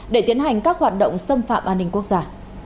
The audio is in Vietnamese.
để tiến hành các hoạt động xâm phạm an ninh quốc gia